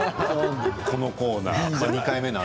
このコーナー。